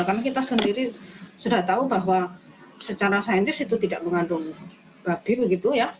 karena kita sendiri sudah tahu bahwa secara saintis itu tidak mengandung babi begitu ya